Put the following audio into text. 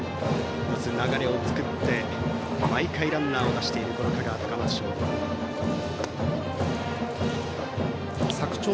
流れを作って毎回ランナーを出している香川・高松商業。